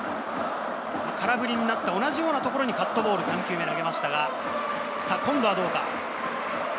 空振りになった同じようなところにカットボール３球目、投げましたが、今度はどうか？